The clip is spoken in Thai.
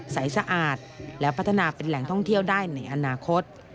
สะอาดและพัฒนาเป็นแหล่งท่องเที่ยวได้ในอนาคต